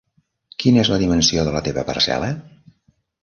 Quina és la dimensió de la teva parcel·la?